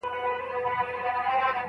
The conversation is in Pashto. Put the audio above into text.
د لغات استعمال په املا پوري تړلی دی.